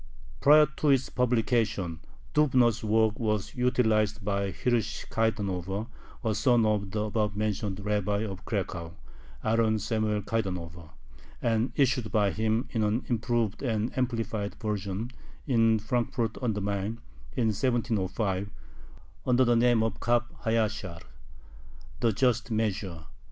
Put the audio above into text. Prior to its publication, Dubno's work was utilized by Hirsch Kaidanover, a son of the above mentioned rabbi of Cracow, Aaron Samuel Kaidanover, and issued by him in an improved and amplified version in Frankfort on the Main, in 1705, under the name Kab ha Yashar, "The Just Measure."